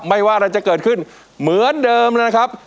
ว่าอะไรจะเกิดขึ้นเหมือนเดิมเลยนะครับ